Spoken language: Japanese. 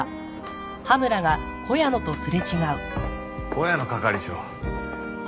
小谷野係長。